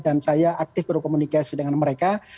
saya aktif berkomunikasi dengan mereka